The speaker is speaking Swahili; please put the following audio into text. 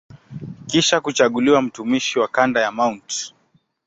Kisha kuchaguliwa mtumishi wa kanda ya Mt.